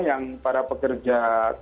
yang pada pekerja